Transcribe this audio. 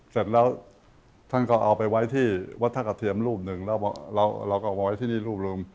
เสร็จแล้วท่านก็เอาไปไว้ที่วัดท่ากระเทียมรูปหนึ่งแล้วเราก็เอาไว้ที่นี่รูปหนึ่ง